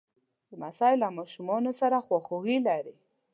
لمسی له ماشومانو سره خواخوږي لري.